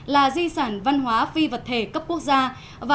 là di sản văn hóa phi vật thể cấp quốc gia